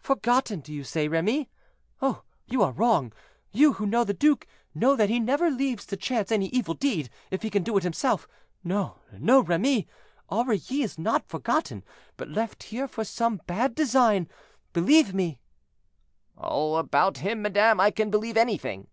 "Forgotten, do you say, Remy? Oh! you are wrong; you, who know the duke, know that he never leaves to chance any evil deed, if he can do it himself. No, no, Remy; Aurilly is not forgotten, but left here for some bad design, believe me!" "Oh! about him, madame, I can believe anything."